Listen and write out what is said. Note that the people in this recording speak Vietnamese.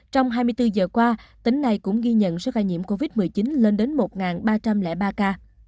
trong hai mươi bốn giờ qua tỉnh này cũng ghi nhận số ca nhiễm covid một mươi chín lên đến một ba trăm linh ba ca